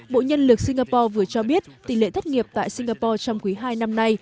bộ nhân lược singapore vừa cho biết tỉ lệ thất nghiệp tại singapore trong quý hai năm nay